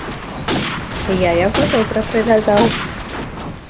Я яго добра прывязаў.